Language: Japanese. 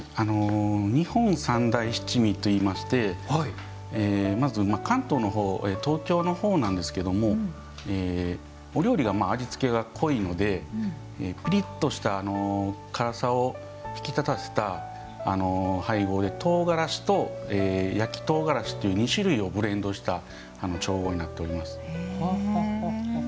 日本三大七味といいましてまず関東東京のほうなんですけどお料理の味付けが濃いのでピリッとした辛さを引き立たせた配合で唐辛子と焼き唐辛子という２種類をブレンドした調合になっております。